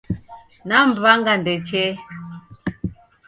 Namw'anga ndechee